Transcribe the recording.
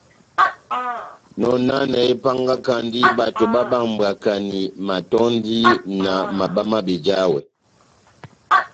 Nɔnanɛ épángakandi bato bábambwakani matɔ́ndi na mabá má bejawɛ.